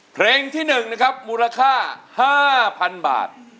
เพลงที่๑มูลค่า๕๐๐๐บาท